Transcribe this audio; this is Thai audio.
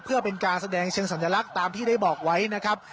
เพื่อเป็นการแสดงเชิงสัญลักษณ์ตามที่ได้บอกไว้นะครับ